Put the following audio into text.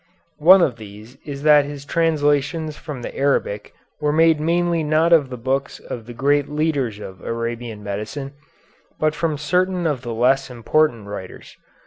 One of these is that his translations from the Arabic were made mainly not of the books of the great leaders of Arabian medicine, but from certain of the less important writers.